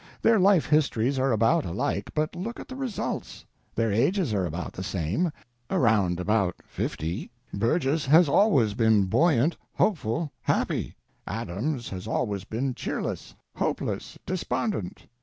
Their life histories are about alike—but look at the results! Their ages are about the same—about around fifty. Burgess had always been buoyant, hopeful, happy; Adams has always been cheerless, hopeless, despondent.